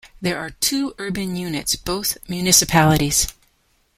There are two urban units, both municipalities.